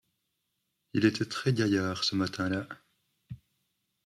Il était très-gaillard, ce matin-là.